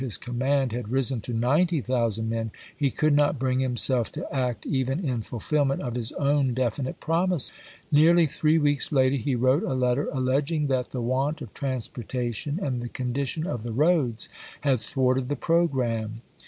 i3,is62. his command had risen to ninety thousand men, vii.,"p. sis! he could not bring himself to act even in fulfill ment of his own definite promise. Nearly three weeks later, he wrote a letter alleging that "the want of transportation and the condition of the roads" had thwarted the programme.